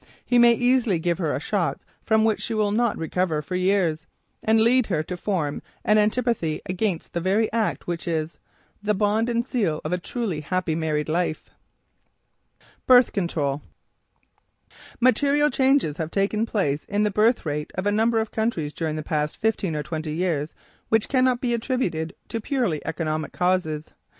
He may easily give her a shock from which she will not recover for years, and lead her to form an antipathy against the very act which is "the bond and seal of a truly happy married life." BIRTH CONTROL Material changes have taken place in the birth rate of a number of countries during the past fifteen or twenty years which cannot be attributed to purely economic causes.